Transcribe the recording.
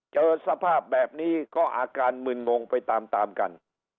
เจอสภาพแบบนี้ก็อาการมึนงงไปตามตามกัน